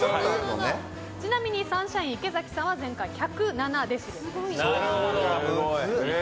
ちなみにサンシャイン池崎さんは前回、１０７デシベルでした。